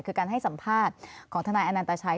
คือการให้สัมภาษณ์ของทนายอนันตชัย